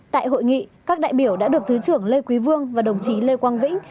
tại hội nghị các đại biểu đã được thứ trưởng lê quý vương và đồng chí lê quang vĩnh